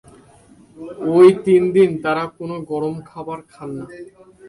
ঐ তিন দিন তারা কোন গরম খাবার খান না।